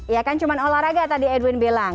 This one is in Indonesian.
ya kan cuma olahraga tadi edwin bilang